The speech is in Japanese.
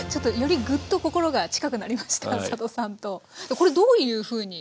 これどういうふうに？